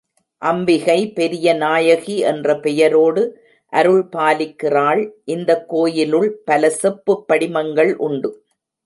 அம்பிகை பெரிய நாயகி என்ற பெயரோடு அருள் பாலிக்கிறாள், இந்தக் கோயிலுள் பல செப்புப் படிமங்கள் உண்டு.